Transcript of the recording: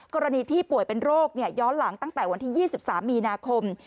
กรณีที่ป่วยเป็นโรคย้อนหลังตั้งแต่วันที่๒๓มีนาคม